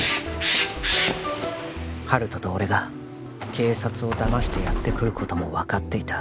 温人と俺が警察をだましてやってくることも分かっていた